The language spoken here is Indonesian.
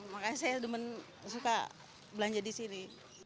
makanya saya cuman suka belanja disini